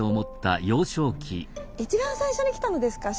一番最初に来たのですか？